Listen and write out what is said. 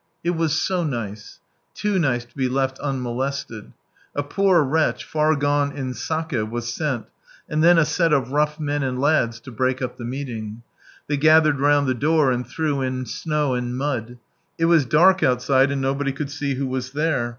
It was so nice. Too nice to be left unmolested. A poor wretch, far gone in sak^, was sent, and then a set of rough men and lads, to break up the meeting. They gathered round the door and threw in snow and mud. It was dark outside, and nobody could see who was there.